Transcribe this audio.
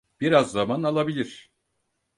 Biraz zaman alabilir.